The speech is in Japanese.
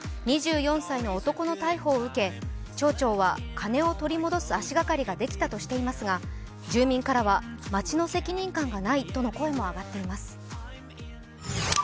２４歳の男の逮捕を受け町長は金を取り戻す足がかりができたとしていますが住民からは町の責任感がないとの声も上っています。